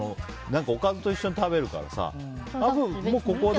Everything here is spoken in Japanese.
おかずと一緒に食べるからさ。